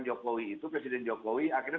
jokowi itu presiden jokowi akhirnya